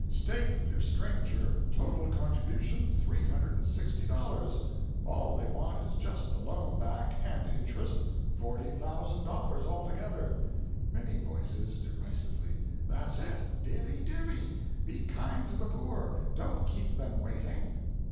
Staked the stranger total contribution, $360. All they want is just the loan back and interest forty thousand dollars altogether." Many Voices (derisively.) "That's it! Divvy! divvy! Be kind to the poor don't keep them waiting!"